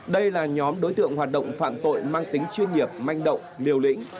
đây là nhóm đối tượng hoạt động phạm tội mang tính chuyên nghiệp manh động liều lĩnh